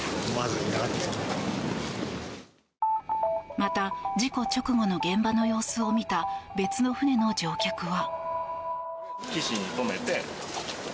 また、事故直後の現場の様子を見た別の船の乗客は。